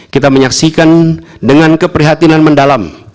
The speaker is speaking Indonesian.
kita menyaksikan dengan keprihatinan mendalam